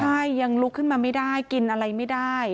ใช่ยังลุกขึ้นมาไม่ได้กินอะไรไม่ได้